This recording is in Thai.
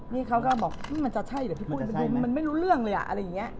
นี่เขาก็บอกมันจะใช่เหรอพี่ปุ้ยมันดูมันไม่รู้เรื่องเลยอ่ะอะไรอย่างนี้